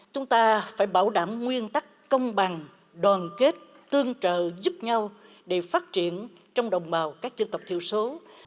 chúng ta phải bảo đảm nguyên tắc công bằng đoàn kết tương trợ giúp nhau để phát triển trong đồng bào các dân tộc thiểu số